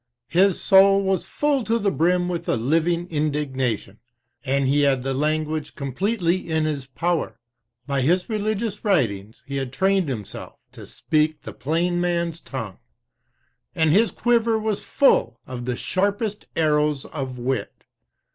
"His soul was full to the brim with a living indignation; he had the language completely in his power; by his religious writings he had trained himself to speak the plain man's tongue; and his quiver was full of the sharpest arrows of wit.